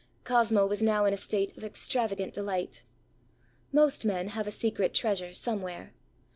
Cosmo was now in a state of extravagant delight. Most men have a secret treasure somewhere.